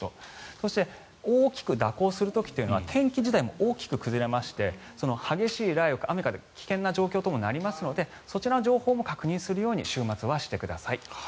そして、大きく蛇行する時は天気自体も大きく崩れまして激しい雷雨、雨風危険な状況になりますのでそちらの情報も確認するように週末はしてください。